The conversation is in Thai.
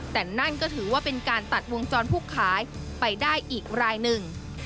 แต่นั่นก็ถือว่าเป็นการตัดวงจรผู้ขายไปได้อีกรายหนึ่ง